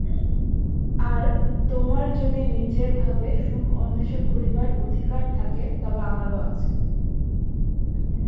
আর তোমার যদি নিজের ভাবে সুখ অন্বেষণ করিবার অধিকার থাকে, তবে আমারও আছে।